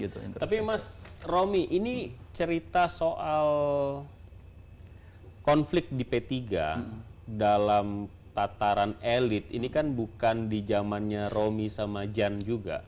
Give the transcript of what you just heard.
tapi mas romi ini cerita soal konflik di p tiga dalam tataran elit ini kan bukan di zamannya romi sama jan juga